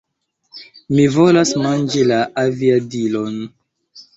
Mi volas manĝi la aviadilon!